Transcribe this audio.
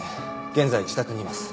現在自宅にいます。